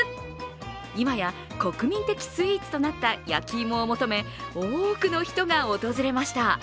今や国民的スイーツとなった焼き芋を求め多くの人が訪れました。